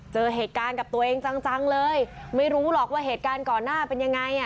เจอเหตุการณ์กับตัวเองจังเลยไม่รู้หรอกว่าเหตุการณ์ก่อนหน้าเป็นยังไงอ่ะ